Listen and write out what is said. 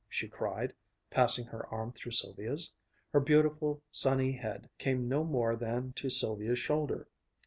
she cried, passing her arm through Sylvia's. Her beautiful sunny head came no more than to Sylvia's shoulder.